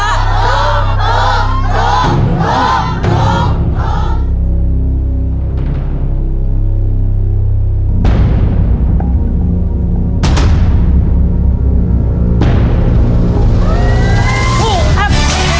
ถูกครับ